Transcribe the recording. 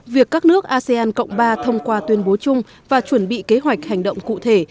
việc các nước asean cộng ba thông qua tuyên bố chung và chuẩn bị kế hoạch hành động cụ thể